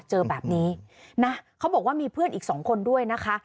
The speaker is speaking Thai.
เจอแบบนี้นะเขาบอกว่ามีเพื่อนอีกสองคนด้วยนะคะ